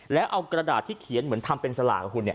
แล้วเอากระดาษที่เขียนเหมือนทำเป็นสลากของคุณ